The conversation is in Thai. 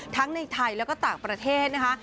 ในไทยแล้วก็ต่างประเทศนะคะ